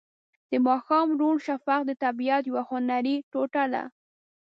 د ماښام روڼ شفق د طبیعت یوه هنري ټوټه ده.